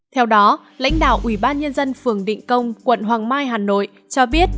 theo đó lãnh đạo ubnd phường định công quận hoàng mai hà nội cho biết